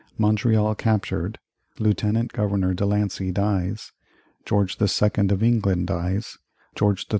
Montreal captured Lieutenant Governor De Lancey dies George II. of England dies George III.